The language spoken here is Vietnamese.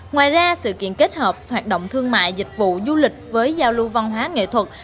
ngoài ra sự kiện kết hợp hoạt động thương mại dịch vụ du lịch với giao lưu văn hóa nghệ thuật